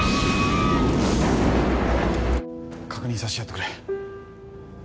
「確認さしてやってくれ」